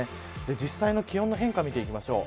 実際の気温の変化見ていきましょう。